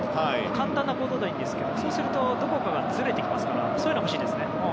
簡単なことなんですけどそうするとどこかがずれてきますからそういうのが欲しいです。